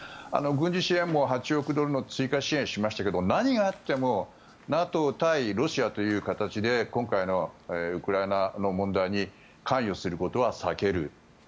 軍事支援も８億ドルの追加支援をしましたが何があってもＮＡＴＯ対ロシアという形で今回のウクライナの問題に関与することは避ける。